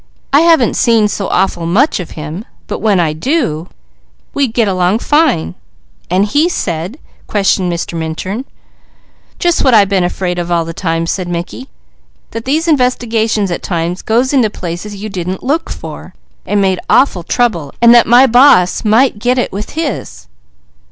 "I haven't seen so awful much of him, but when I do, we get along fine." "And he said ?" questioned Mr. Minturn. "Just what I been afraid of all the time," said Mickey. "That these investigations at times got into places you didn't look for, and made awful trouble; and that my boss might get it with his."